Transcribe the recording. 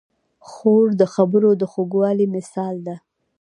خور د خبرو د خوږوالي مثال ده.